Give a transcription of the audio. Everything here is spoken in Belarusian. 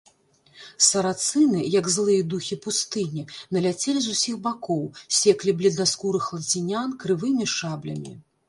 Сарацыны, як злыя духі пустыні, наляцелі з усіх бакоў, секлі бледнаскурых лацінян крывымі шаблямі.